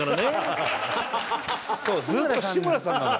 そうずーっと志村さんなのよ。